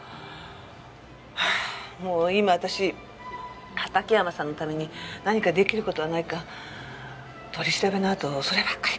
もう今私畑山さんのために何かできることはないか取り調べのあとそればっかり考えてる。